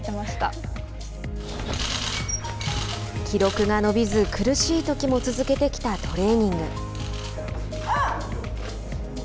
記録が伸びず苦しいときも続けてきたトレーニング。